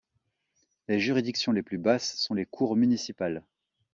Les juridictions les plus basses sont les cours municipales.